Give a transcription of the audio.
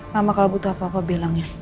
mama kalau butuh apa apa bilang ya